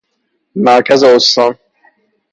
مرکز استان